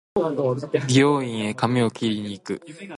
美容院へ髪を切りに行く